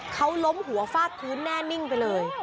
เขาล้มหัวฟาดพื้นแน่นิ่งไปเลย